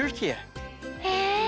へえ！